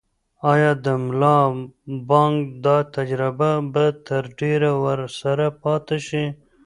آیا د ملا بانګ دا تجربه به تر ډېره ورسره پاتې شي؟